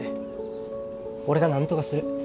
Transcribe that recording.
俺がなんとかする。